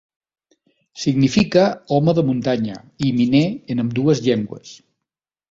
Significa "home de muntanya" i "miner" en ambdues llengües.